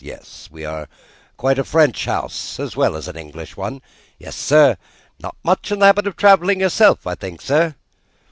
"Yes. We are quite a French House, as well as an English one." "Yes, sir. Not much in the habit of such travelling yourself, I think, sir?"